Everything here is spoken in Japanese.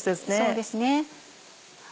そうですね。